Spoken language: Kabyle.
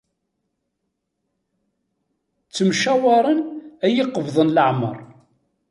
Ttemcawaren ad yi-qebḍen leɛmeṛ.